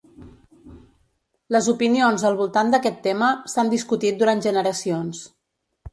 Les opinions al voltant d'aquest tema, s'han discutit durant generacions.